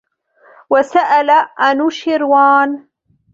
وَسَأَلَ أَنُوشِرْوَانَ